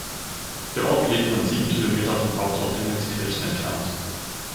Der Ort liegt rund sieben Kilometer vom Hauptort Engelskirchen entfernt.